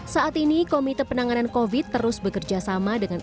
saat ini komite penanganan covid terus bekerja sama dengan